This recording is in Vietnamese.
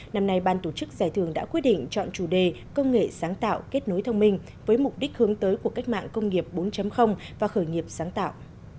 năm nay ban tổ chức giải thưởng đã quyết định chọn chủ đề công nghệ sáng tạo kết nối thông minh với mục đích hướng tới của cách mạng công nghiệp bốn và khởi nghiệp sáng tạo